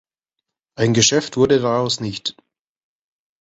Ein Geschäft wurde daraus nicht.